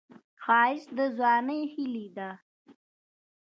ښایست د ځوانۍ هیلې ده